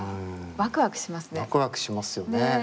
ワクワクしますよね。